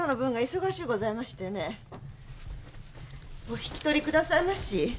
お引き取り下さいまし。